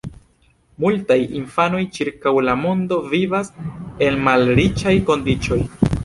Multaj infanoj ĉirkaŭ la mondo vivas en malriĉaj kondiĉoj.